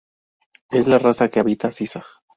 Es la raza que habita Sisa.